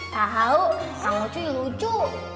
tahu kang ucu itu lucu